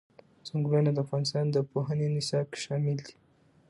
ځنګلونه د افغانستان د پوهنې نصاب کې شامل دي.